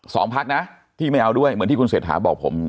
พักนะที่ไม่เอาด้วยเหมือนที่คุณเศรษฐาบอกผม